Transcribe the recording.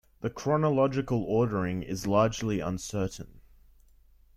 The chronological ordering is largely uncertain.